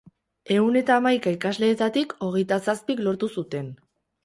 Ehun eta hamaika ikasleetatik hogeita zazpik lortu zuten.